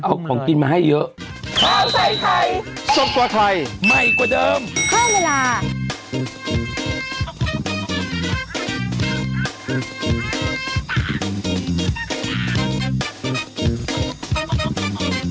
เอาของกินมาให้เยอะ